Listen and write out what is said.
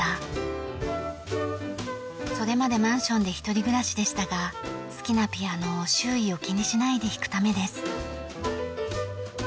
それまでマンションで一人暮らしでしたが好きなピアノを周囲を気にしないで弾くためです。